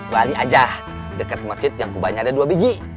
wali aja deket masjid yang kubahnya ada dua biji